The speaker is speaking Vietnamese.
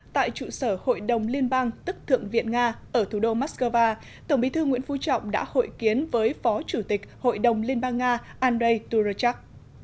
tại trụ sở hội đồng liên bang tức thượng viện nga ở thủ đô moscow tổng bí thư nguyễn phú trọng đã hội kiến với phó chủ tịch hội đồng liên bang nga andrei turochak